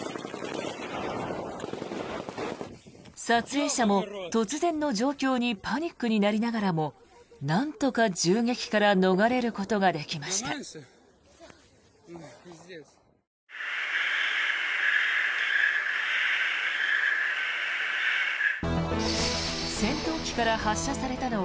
撮影者も突然の状況にパニックになりながらもなんとか銃撃から逃れることができました。